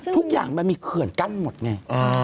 ทุกอย่างมันมีเขื่อนกั้นหมดไง